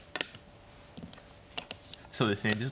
そうですね